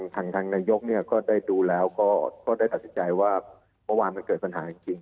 ทางนายกก็ได้ดูแล้วก็ได้ตัดสินใจว่าเมื่อวานมันเกิดปัญหาจริง